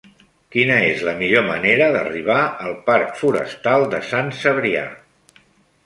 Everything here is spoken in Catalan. Quina és la millor manera d'arribar al parc Forestal de Sant Cebrià?